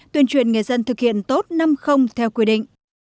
tuyên truyền nghề dân thực hiện tốt năm theo quy định